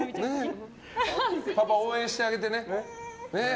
パパ応援してあげてね。